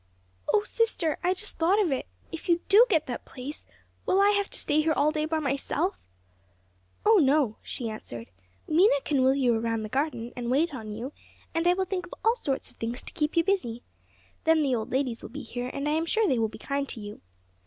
"O sister! I just thought of it. If you do get that place, will I have to stay here all day by myself?" "O no," she answered. "Mena can wheel you around the garden, and wait on you; and I will think of all sorts of things to keep you busy. Then the old ladies will be here, and I am sure they will be kind to you.